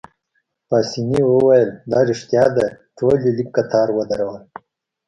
پاسیني وویل: دا ريښتیا ده، ټول يې لیک قطار ودرول.